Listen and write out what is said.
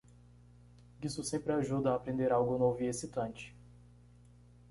Isso sempre ajuda a aprender algo novo e excitante.